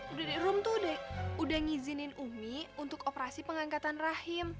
udah deh rum tuh udah ngizinin ummi untuk operasi pengangkatan rahim